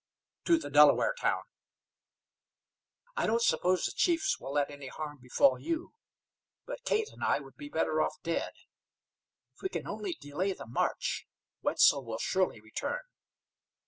"To the Delaware town." "I don't suppose the chiefs will let any harm befall you; but Kate and I would be better off dead. If we can only delay the march, Wetzel will surely return."